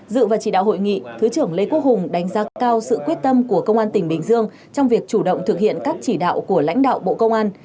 dự và chỉ đạo hội nghị thứ trưởng lê quốc hùng đánh giá cao sự quyết tâm của công an tỉnh bình dương trong việc chủ động thực hiện các chỉ đạo của lãnh đạo bộ công an